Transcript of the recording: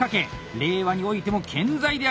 令和においても健在であります！